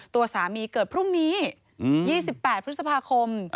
ตัวสามีเกิดพรุ่งนี้๒๘พฤษภาคม